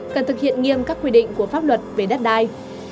cần thực hiện nghiêm các quy định của pháp luật về đất đai